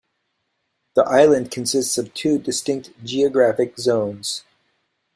The island consists of two distinct geographic zones.